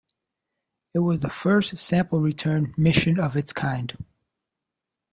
It was the first sample return mission of its kind.